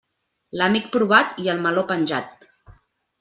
L'amic provat i el meló penjat.